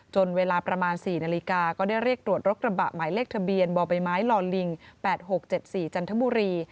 เวลาประมาณ๔นาฬิกาก็ได้เรียกตรวจรถกระบะหมายเลขทะเบียนบ่อใบไม้ลอลิง๘๖๗๔จันทบุรี